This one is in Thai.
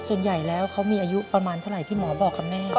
ส่วนใหญ่แล้วเขามีอายุประมาณเท่าไหร่ที่หมอบอกกับแม่